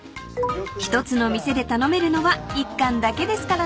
［１つの店で頼めるのは１貫だけですからね］